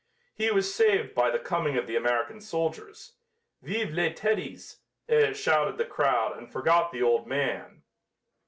He was saved by the coming of the American soldiers. "Vive les Teddies," shouted the crowd and forgot the old man.